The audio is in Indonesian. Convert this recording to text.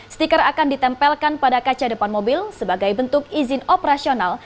stiker akan ditempelkan pada kaca depan mobil sebagai bentuk izin operasional